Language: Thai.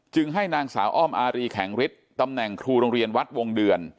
ให้นางสาวอ้อมอารีแข็งฤทธิ์ตำแหน่งครูโรงเรียนวัดวงเดือน